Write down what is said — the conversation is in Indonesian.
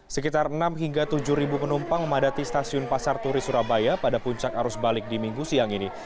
sekitar enam hingga tujuh penumpang memadati stasiun pasar turi surabaya pada puncak arus balik di minggu siang ini